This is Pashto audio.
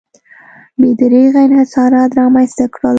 بې دریغه انحصارات رامنځته کړل.